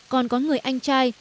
còn có người anh trai